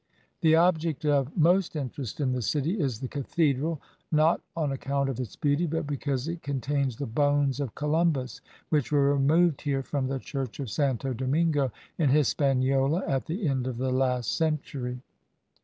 The object of most interest in the city is the cathedral, not on account of its beauty, but because it contains the bones of Columbus, which were removed here from the church of Santa Domingo, in Hispaniola, at the end of the last century.